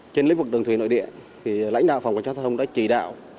trên lĩnh vực đường thủy nội địa thì lãnh đạo phòng cảnh sát giao thông đã chỉ đạo